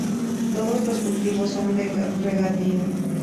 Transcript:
Todos los cultivos son de regadío.